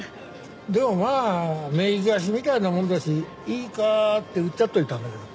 でもまあ名義貸しみたいなもんだしいいかってうっちゃっておいたんだけど。